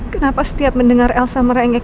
kenapa setiap mendengar elsa merengek